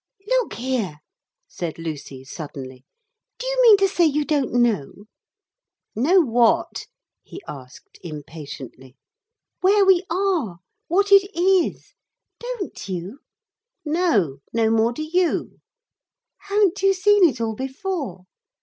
'Look here!' said Lucy suddenly, 'do you mean to say you don't know?' 'Know what?' he asked impatiently. 'Where we are. What it is. Don't you?' 'No. No more do you.' 'Haven't you seen it all before?'